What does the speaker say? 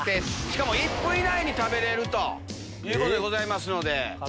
しかも１分以内に食べれるということでございますので。